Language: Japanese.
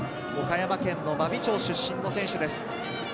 岡山県の真備町出身の選手です。